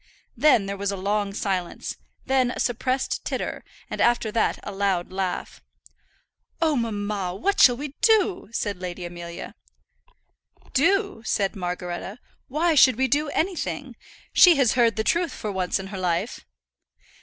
Then there was a long silence, then a suppressed titter, and after that a loud laugh. "Oh, mamma, what shall we do?" said Lady Amelia. "Do!" said Margaretta; "why should we do anything? She has heard the truth for once in her life."